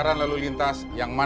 bapak bisa mencoba